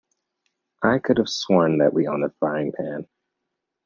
I could have sworn that we own a frying pan.